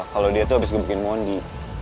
kalo dia tuh abis ngebukuin mondi